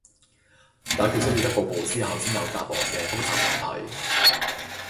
解決需要一步步思考先有答案嘅複雜問題